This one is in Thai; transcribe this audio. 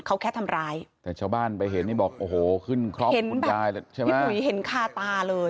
เขาแค่ทำร้ายแต่ชาวบ้านไปเห็นให้บอกโอ้โหขึ้นคลอปใช่ปะพี่ปุ๋ยเห็นค่าตาเลย